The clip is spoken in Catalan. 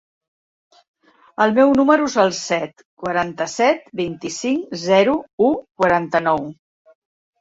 El meu número es el set, quaranta-set, vint-i-cinc, zero, u, quaranta-nou.